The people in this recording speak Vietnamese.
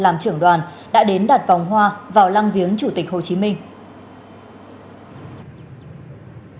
làm trưởng đoàn đã đến đặt vòng hoa vào lăng viếng chủ tịch hồ chí minh